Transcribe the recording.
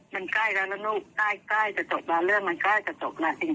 มันใกล้แล้วนะลูกใกล้จะจบแล้วเรื่องมันใกล้จะจบแล้วจริง